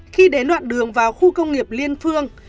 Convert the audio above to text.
khi đến đoạn đường vào khu công nghiệp liên phương